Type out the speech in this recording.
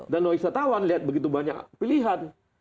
dan wisatawan lihat begitu banyak pilihan